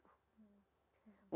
membencimu tidak percaya dengan itu